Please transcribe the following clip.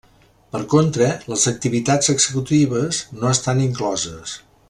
Per contra, les activitats executives no estan incloses.